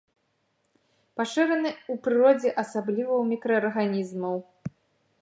Пашыраны ў прыродзе, асабліва ў мікраарганізмаў.